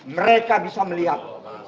mereka bisa melihat